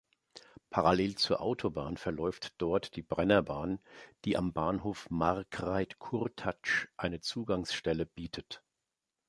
Parallel zur Autobahn verläuft dort die Brennerbahn, die am Bahnhof Margreid-Kurtatsch eine Zugangsstelle bietet.